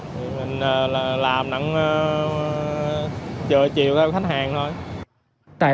thì mình làm nặng chờ chiều cho khách hàng thôi